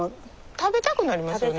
食べたくなりますよね。